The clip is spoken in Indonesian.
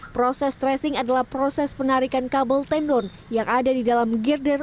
proses tracing adalah proses penarikan kabel tendon yang ada di dalam girder